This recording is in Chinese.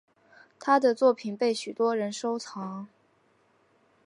她的作品被许多人收藏。